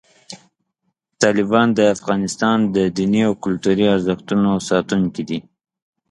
طالبان د افغانستان د دیني او کلتوري ارزښتونو ساتونکي دي.